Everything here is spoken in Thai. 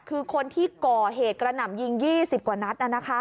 คือคนที่ก่อเหตุกระหน่ำยิง๒๐กว่านัทนั้นนะคะ